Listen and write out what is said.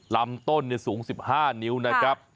ลำต้นสูง๑๕นิ้วนะครับ